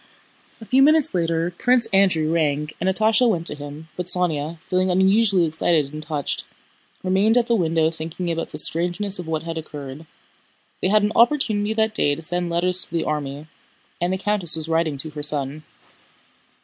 A few minutes later Prince Andrew rang and Natásha went to him, but Sónya, feeling unusually excited and touched, remained at the window thinking about the strangeness of what had occurred. They had an opportunity that day to send letters to the army, and the countess was writing to her son.